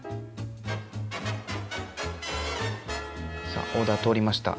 さあオーダー通りました。